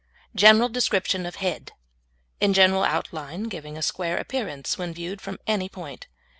GENERAL DESCRIPTION OF HEAD In general outline, giving a square appearance when viewed from any point.